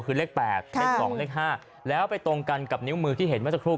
คือเลขแปดเลขสองเลขห้าแล้วไปตรงกันกับนิ้วมือที่เห็นมาสักครู่